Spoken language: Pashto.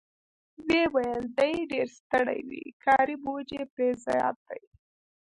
ویې ویل: دی ډېر ستړی وي، کاري بوج پرې زیات دی.